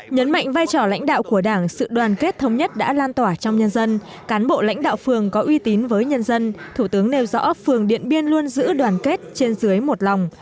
nhấn mạnh vai trò lãnh đạo của đảng sự đoàn kết thống nhất đã lan tỏa trong nhân dân cán bộ lãnh đạo phường có uy tín với nhân dân thủ tướng nêu rõ phường điện biên luôn giữ đoàn kết trên dưới một lòng